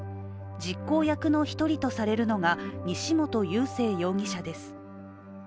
実行役の一人とされるのが西本佑聖容疑者。